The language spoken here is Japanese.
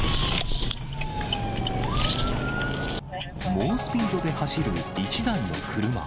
猛スピードで走る１台の車。